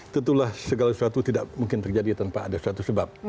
tentulah segala sesuatu tidak mungkin terjadi tanpa ada suatu sebab